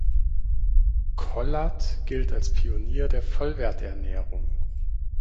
Kollath gilt als Pionier der Vollwerternährung.